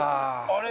あれ？